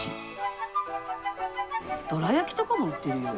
どら焼きとかも売ってるよ。